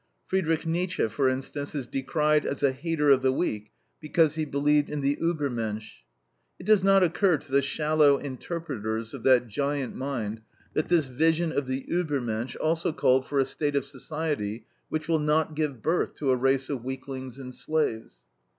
Friedrich Nietzsche, for instance, is decried as a hater of the weak because he believed in the UEBERMENSCH. It does not occur to the shallow interpreters of that giant mind that this vision of the UEBERMENSCH also called for a state of society which will not give birth to a race of weaklings and slaves.